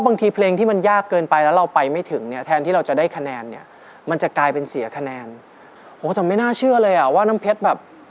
โอ้แต่ไม่น่าเชื่อเลยอะว่าน้ำเพชรแบบ